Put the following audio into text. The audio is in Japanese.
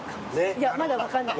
いやまだ分かんない。